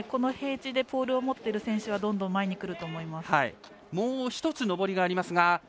平地でポールを持っている選手はもう１つ、上りがあります。